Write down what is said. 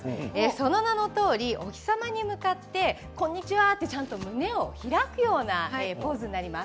その名のとおりお日様に向かってこんにちはってちゃんと胸を開くようなポーズになります。